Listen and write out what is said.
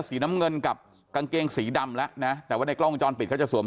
สีน้ำเงินกับกางเกงสีดำแล้วนะแต่ว่าในกล้องวงจรปิดเขาจะสวม